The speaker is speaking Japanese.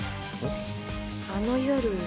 あの夜。